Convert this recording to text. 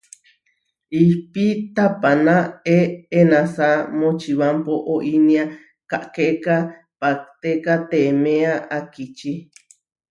Ihpí tapaná eʼenasá Močibampo oínia kaʼkéka paphtéka teeméa akičí.